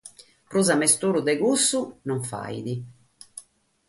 Prus ammisturu de aici non faghet.